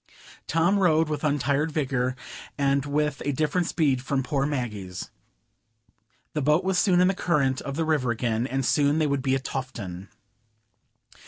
Tom rowed with untired vigor, and with a different speed from poor Maggie's. The boat was soon in the current of the river again, and soon they would be at Tofton.